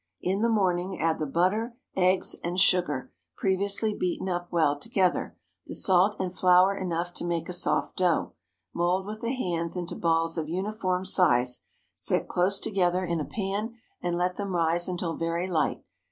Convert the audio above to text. In the morning add the butter, eggs, and sugar, previously beaten up well together, the salt, and flour enough to make a soft dough. Mould with the hands into balls of uniform size, set close together in a pan, and let them rise until very light.